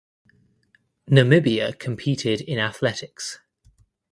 Namibia competed in athletics.